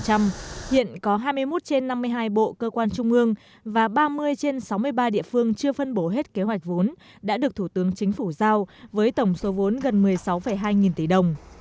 hiện có hai mươi một trên năm mươi hai bộ cơ quan trung ương và ba mươi trên sáu mươi ba địa phương chưa phân bổ hết kế hoạch vốn đã được thủ tướng chính phủ giao với tổng số vốn gần một mươi sáu hai nghìn tỷ đồng